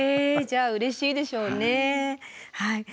じゃあうれしいでしょうね。